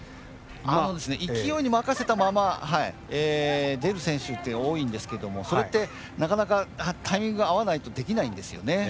勢いに任せたまま出る選手って多いんですけどもそれって、なかなかタイミングが合わないとできないんですよね。